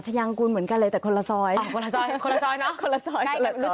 ชายางกูลเหมือนกันเลยแต่คนละซอยอ๋อคนละซอยคนละซอยคนละซอยรู้จัก